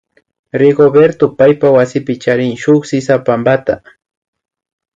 Rigoberto paypa wasipi charin shuk sisapampata